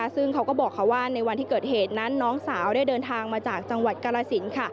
ซึ่งเขาก็บอกเขาว่าในวันที่เกิดเหตุนั้นน้องสาวได้เดินทางมาจากจังหวัดกาลสินค่ะ